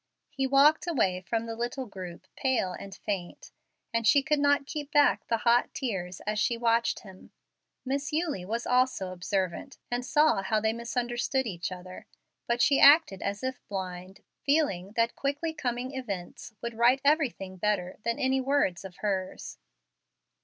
He walked away from the little group pale and faint, and she could not keep back the hot tears as she watched him. Miss Eulie was also observant, and saw how they misunderstood each other. But she acted as if blind, feeling that quickly coming events would right everything better than any words of hers.